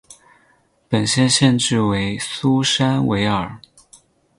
本县县治为苏珊维尔。